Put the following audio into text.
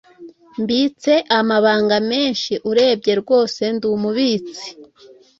Mbitse amabanga menshi urebye rwose nd umubitsi